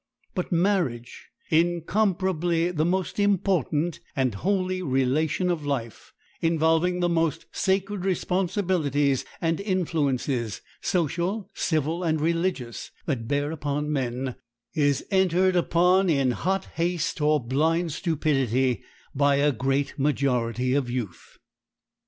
But marriage—incomparably the most important and holy relation of life, involving the most sacred responsibilities and influences, social, civil, and religious, that bear upon men—is entered upon in hot haste or blind stupidity, by a great majority of youth.